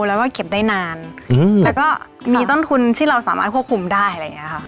แล้วก็เก็บได้นานแล้วก็มีต้นทุนที่เราสามารถควบคุมได้อะไรอย่างนี้ค่ะ